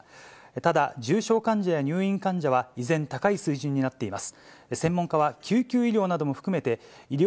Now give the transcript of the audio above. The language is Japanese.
ただ、重症患者や入院患者は依然、高い水準になっています。